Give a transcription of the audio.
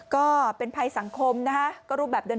ก็เป็นภัยสังคมนะคะก็รูปแบบเดิม